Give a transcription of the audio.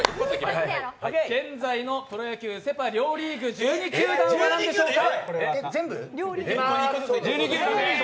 現在のプロ野球セ・パ両リーグ１２球団は何でしょうか？